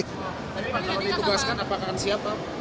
tapi kalau ditugaskan apakah akan siapa